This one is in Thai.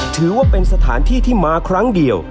ถือว่าเป็นสถานที่ที่มาครั้งเดียว